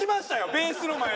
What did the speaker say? ベースの前で。